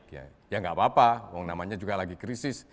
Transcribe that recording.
ya nggak apa apa uang namanya juga lagi krisis